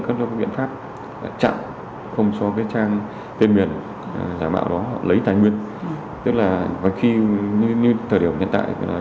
của bên phục phát thanh truyền hình thông tin tử